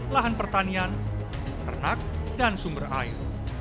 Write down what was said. lahan pertanian ternak dan sumber air